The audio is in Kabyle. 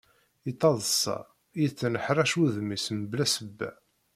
Yettaḍsa, yettnecraḥ wudem-is mebla sebba.